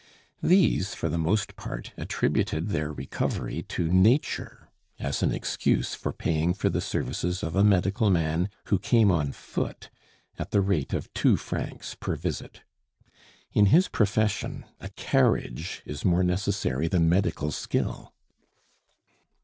These, for the most part, attributed their recovery to Nature, as an excuse for paying for the services of a medical man, who came on foot, at the rate of two francs per visit. In his profession, a carriage is more necessary than medical skill.